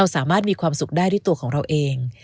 สามารถมีความสุขได้ด้วยตัวของเราเอง